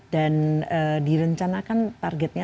dan direncanakan targetnya